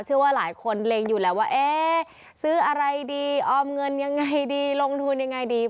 เชื่อว่าหลายคนเล็งอยู่แล้วว่าเอ๊ะซื้ออะไรดีออมเงินยังไงดีลงทุนยังไงดี